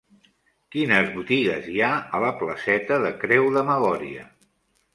Quines botigues hi ha a la placeta de Creu de Magòria?